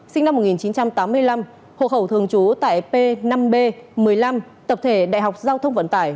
sinh năm một nghìn chín trăm tám mươi năm hộ khẩu thường trú tại p năm b một mươi năm tập thể đại học giao thông vận tải